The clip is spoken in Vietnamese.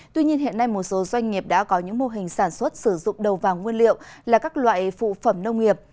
tuy nhiên hiện nay một số doanh nghiệp đã có những mô hình sản xuất sử dụng đầu vào nguyên liệu là các loại phụ phẩm nông nghiệp